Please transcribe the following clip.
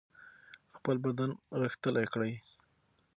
خپل بدن غښتلی کړئ.